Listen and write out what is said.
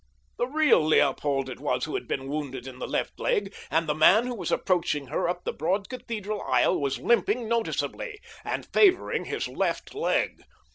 The real Leopold it was who had been wounded in the left leg, and the man who was approaching her up the broad cathedral aisle was limping noticeably—and favoring his left leg.